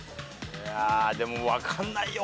でも分かんないよ